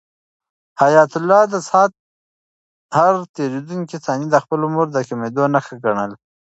حیات الله د ساعت هر تېریدونکی ثانیه د خپل عمر د کمېدو نښه ګڼله.